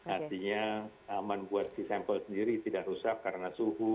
artinya aman buat si sampel sendiri tidak rusak karena suhu